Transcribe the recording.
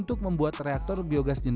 jadi sebulan bisa beli tiga empat tabung